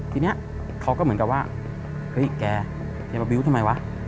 ทีนี้เขาก็เหมือนกับว่าเฮ้ยแกแกมาบิวต์ทำไมวะ